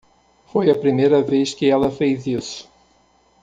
Foi a primeira vez que ela fez isso.